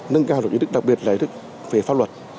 nâng cao được ý thức đặc biệt là ý thức về pháp luật